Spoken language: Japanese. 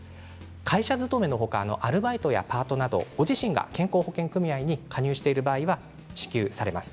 会社勤めの他、アルバイトやパートなどご自身の健康保険組合に加入している場合は支給されます。